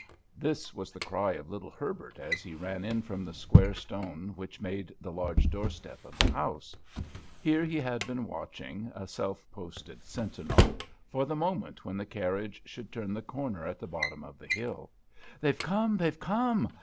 This was the cry of little Herbert as he ran in from the square stone which made the large doorstep of the house. Here he had been watching, a self posted sentinel, for the moment when the carriage should turn the corner at the bottom of the hill. "They've come! they've come!"